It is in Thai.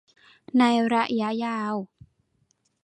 ในระยะยาว